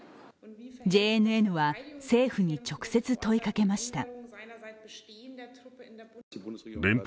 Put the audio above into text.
ＪＮＮは政府に直接問いかけました。